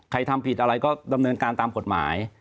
ทำผิดอะไรก็ดำเนินการตามกฎหมาย